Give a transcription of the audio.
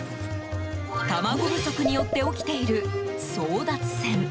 卵不足によって起きている争奪戦。